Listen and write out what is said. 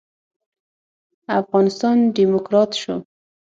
افغانستان ډيموکرات شو.